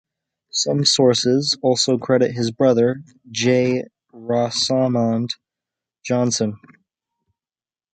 Some sources also credit his brother, J Rosomond Johnson.